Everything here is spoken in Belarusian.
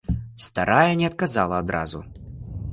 Старая не адказала адразу.